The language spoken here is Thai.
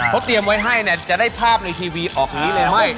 เขาเตรียมไว้ให้เนี่ยจะได้ภาพในทีวีออกอย่างนี้เลยไม่